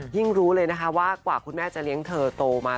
รู้เลยนะคะว่ากว่าคุณแม่จะเลี้ยงเธอโตมา